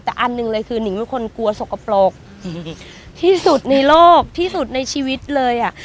แต่อันหนึ่งเลยคือนิงเป็นคนกลัวสกปรกที่สุดในโลกที่สุดในชีวิตเลยอ่ะ